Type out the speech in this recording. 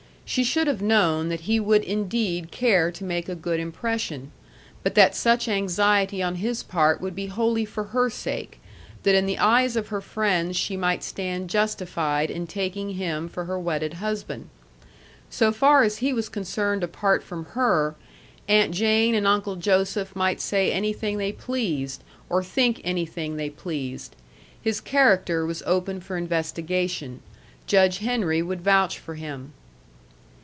She should have known that he would indeed care to make a good impression; but that such anxiety on his part would be wholly for her sake, that in the eyes of her friends she might stand justified in taking him for her wedded husband. So far as he was concerned apart from her, Aunt Jane and Uncle Joseph might say anything they pleased, or think anything they pleased. His character was open for investigation. Judge Henry would vouch for him.